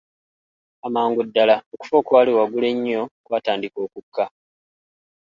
Amangu ddala, okufa okwali waggulu ennyo kwatandika okukka.